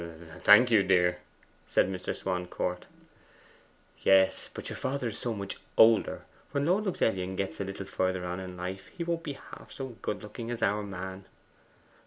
'Thank you, dear,' said Mr. Swancourt. 'Yes; but your father is so much older. When Lord Luxellian gets a little further on in life, he won't be half so good looking as our man.